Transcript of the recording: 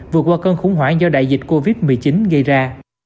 vượt qua cơn khủng hoảng do đại dịch covid một mươi chín gây ra